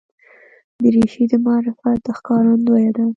دریشي د معرفت ښکارندوی ده.